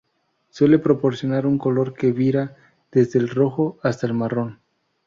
Suele proporcionar un color que vira desde el rojo hasta el marrón.